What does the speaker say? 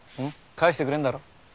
帰してくれんだろ？